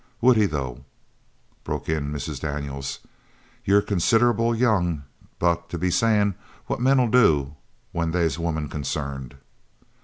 "Would he though?" broke in Mrs. Daniels. "You're considerable young, Buck, to be sayin' what men'll do where they's women concerned.